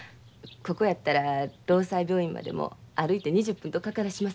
ここやったら労災病院までも歩いて２０分とかからしませんやろ。